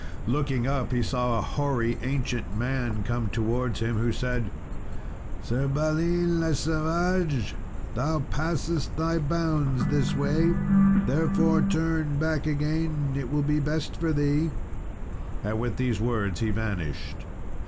Looking up, he saw a hoary ancient man come towards him, who said, "Sir Balin le Savage, thou passest thy bounds this way; therefore turn back again, it will be best for thee;" and with these words he vanished.